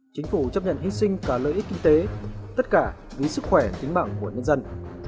chính phủ chấp nhận hy sinh cả lợi ích kinh tế tất cả vì sức khỏe tính bảng của nhân dân